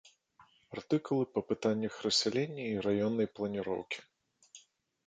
Артыкулы па пытаннях рассялення і раённай планіроўкі.